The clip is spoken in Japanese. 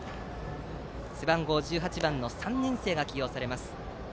背番号１８番の３年生が起用されます。